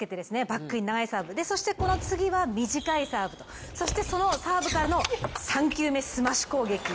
バックに流れるサーブそして、この次は短いサーブと、そしてそのサーブからの３球目、スマッシュ攻撃。